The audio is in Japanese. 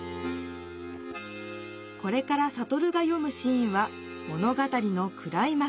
これからサトルがよむシーンは物語のクライマックス。